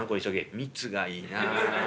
「蜜がいいな」。